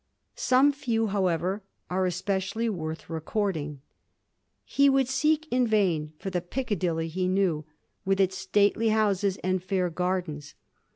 Some few, however, are especially worth re cording. He would seek in vam for the ' Pikadilly ' lie knew, with its stately houses and fair gardens.